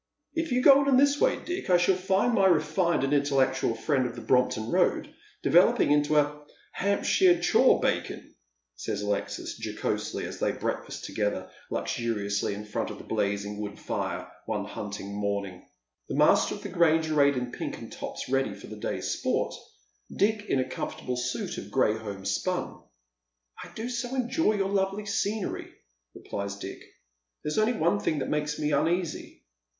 "■ If you go on in this way, Dick, I shall find my refined and intellectual friend of the Brompton Road developing into a Hampshire chawbacon," says Alexis, jocosely, as they breakfast together luxuriously, in ii ^^t of a blazing wood fij e, one hnnting 222 Dead Men's Shoes. momii*^— the master of the Grange arrayed in pink and tops readx ^ the day's sport, Dick in a conifortable suit of gray homespun, " I do so enjoy your lovely scenery," repUes Dick. " There's only one thing that makes me uneasy."